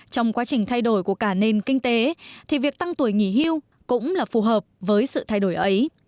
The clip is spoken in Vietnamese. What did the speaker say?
trong quá trình thay đổi của cả nền kinh tế thì việc tăng tuổi nghỉ hưu cũng là phù hợp với sự thay đổi ấy